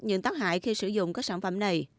những tác hại khi sử dụng các sản phẩm này